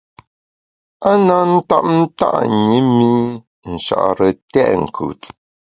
A na tap nta’ ṅi mi Nchare tèt nkùt.